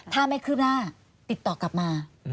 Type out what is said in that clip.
ถ้าไม่คืบหน้าติดต่อกลับมา